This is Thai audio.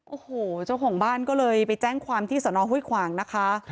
โอ้โหเจ้าของบ้านก็เลยไปแจ้งความที่สนห้วยขวางนะคะ